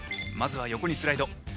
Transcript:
まずは横にスライド。